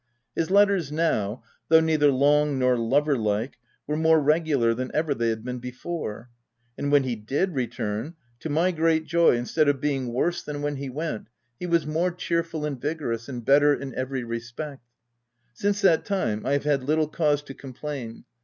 His letters, now, though neither long nor lover like, were more regular than ever they had been before ; and when he did return, to my great joy instead of being worse than when he went, he was more cheerful and vigorous, and better in every re spect. Since that time, I have had little cause to complain.